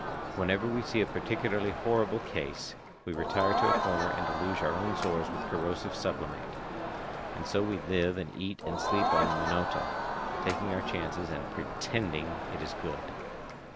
Whenever we see a particularly horrible case, we retire to a corner and deluge our own sores with corrosive sublimate. And so we live and eat and sleep on the Minota, taking our chance and "pretending it is good."